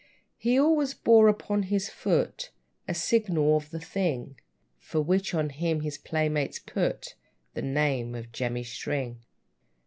He always bore upon his foot A signal of the thing, For which, on him his playmates put The name of Jemmy String.